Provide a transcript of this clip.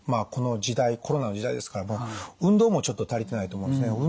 この時代コロナの時代ですから運動もちょっと足りてないと思うんですね。